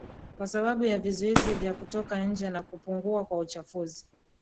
kwa sababu ya vizuizi vya kutoka nje na kupungua kwa uchafuzi